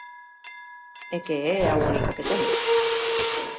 E que é a única que temos.